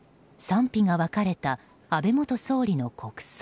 賛否が分かれた安倍元総理の国葬。